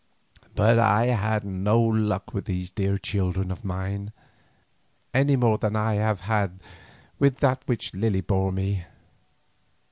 But I had no luck with these dear children of mine, any more than I have had with that which Lily bore me.